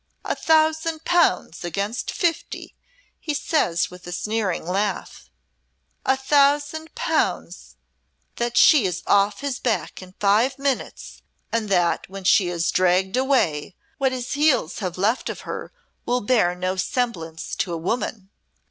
'A thousand pounds against fifty,' he says with his sneering laugh; 'a thousand pounds that she is off his back in five minutes and that when she is dragged away, what his heels have left of her will bear no semblance to a woman!"